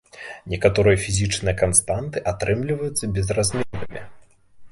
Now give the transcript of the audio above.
Некаторыя фізічныя канстанты атрымліваюцца безразмернымі.